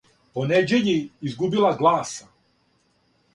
По неђељи изгубила гласа;